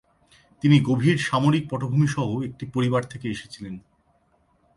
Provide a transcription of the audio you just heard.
তিনি গভীর সামরিক পটভূমি সহ একটি পরিবার থেকে এসেছিলেন।